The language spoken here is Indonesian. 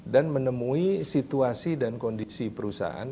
menemui situasi dan kondisi perusahaan